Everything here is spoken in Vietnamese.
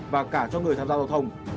và cả cho người tham gia giao thông